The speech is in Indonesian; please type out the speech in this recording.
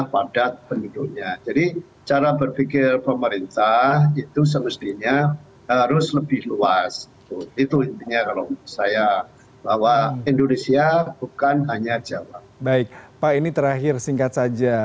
baik pak ini terakhir singkat saja